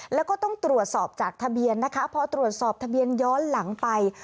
แล้วก็ต้องตรวจสอบจากทะเบียนนะคะพอตรวจสอบทะเบียนย้อนหลังไป